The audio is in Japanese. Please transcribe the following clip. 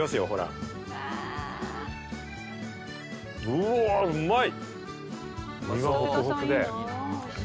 うわ、うまい！